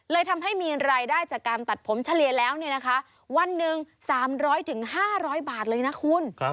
ทำให้มีรายได้จากการตัดผมเฉลี่ยแล้ววันหนึ่ง๓๐๐๕๐๐บาทเลยนะคุณ